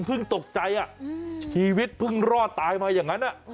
ตกใจชีวิตเพิ่งรอดตายมาอย่างนั้น